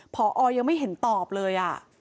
พอยังไม่เห็นตอบเลย